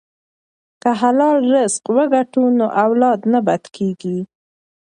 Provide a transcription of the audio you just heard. که حلال رزق وګټو نو اولاد نه بد کیږي.